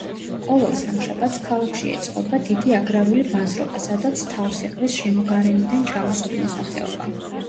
ყოველ სამშაბათს, ქალაქში ეწყობა დიდი აგრარული ბაზრობა, სადაც თავს იყრის შემოგარენიდან ჩამოსული მოსახლეობა.